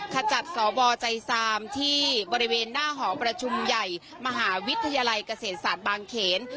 ขจัดสวใจซามที่บริเวณหน้าหอประชุมใหญ่มหาวิทยาลัยเกษตรศาสตร์บางเขน